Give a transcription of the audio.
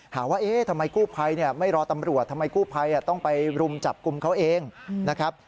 ว่าเอ๊ะทำไมกู้ภัยไม่รอตำรวจทำไมกู้ภัยต้องไปรุมจับกลุ่มเขาเองนะครับ